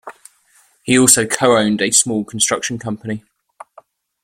He also co-owned a small construction company.